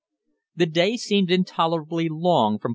The day seemed intolerably long from 4.